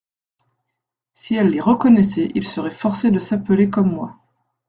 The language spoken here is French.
Si elle les reconnaissait, ils seraient forcés de s'appeler comme moi.